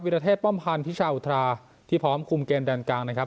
รเทศป้อมพันธิชาอุทราที่พร้อมคุมเกมแดนกลางนะครับ